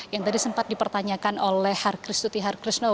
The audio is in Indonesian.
yang tadi sempat dipertanyakan oleh har kristuti har kristno